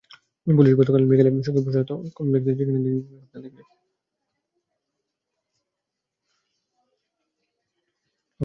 Police গতকাল বিকেলেই সখীপুর স্বাস্থ্য কমপ্লেক্সে চিকিৎসাধীন থাকা তিনজনকে গ্রেপ্তার দেখিয়েছে।